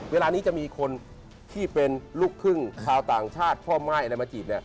เวลานี้จะมีคนที่เป็นลูกครึ่งชาวต่างชาติพ่อม่ายอะไรมาจีบ